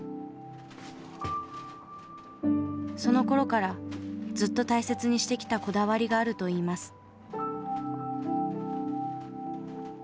そのころからずっと大切にしてきたこだわりがあると言います。